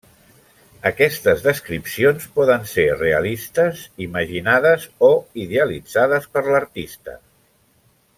Aquestes descripcions poden ser realistes, imaginades, o idealitzades per l'artista.